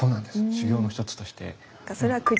修行の一つとして。